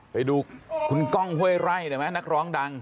ไปดูคุณก้องเฮ้ยไร่ได้มั้ยนักร้องดัง